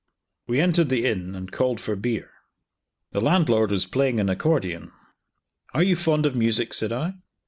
We entered the inn, and called for beer. The landlord was playing an accordion. "Are you fond of music?" said I.